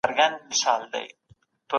علماء وایي چي زکات د اسلام ستن ده.